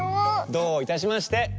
どういたしまして。